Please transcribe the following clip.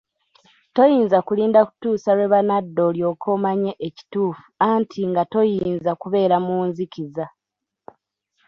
Toyinza kulinda kutuusa lwe banadda olyoke omanye ekituufu anti nga toyinza kubeera mu nzikiza.